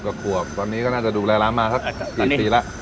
กว่าขวบตอนนี้ก็น่าจะดูแลร้านมาสักกี่ปีแล้ว